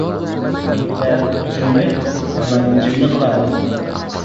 • Bitta jinni hammani jinni qiladi.